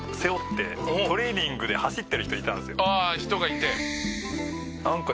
「ああ人がいて」